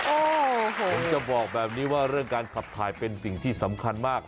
โอ้โหผมจะบอกแบบนี้ว่าเรื่องการขับถ่ายเป็นสิ่งที่สำคัญมาก